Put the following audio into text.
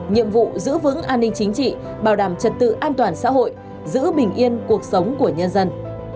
nhiệm vụ giữ vững an ninh chính trị bảo đảm trật tự an toàn xã hội giữ bình yên cuộc sống của nhân dân